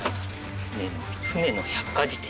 『船の百科事典』。